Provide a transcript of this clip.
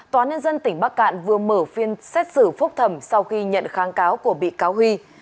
tòa nhân dân tỉnh bắc cạn vừa mở phiên xét xử phúc thẩm sau khi nhận kháng cáo của bị cáo huy